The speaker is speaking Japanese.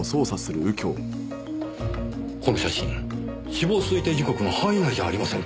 この写真死亡推定時刻の範囲内じゃありませんか。